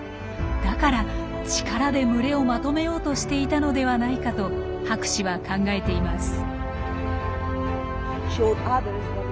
だから力で群れをまとめようとしていたのではないかと博士は考えています。